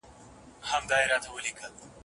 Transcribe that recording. استاد د شاګرد پوښتنو ته څنګه ځواب ورکوي؟